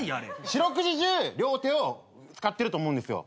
四六時中両手を使ってると思うんですよ。